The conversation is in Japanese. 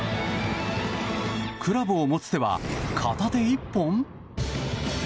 クラブを持つ手は片手一本？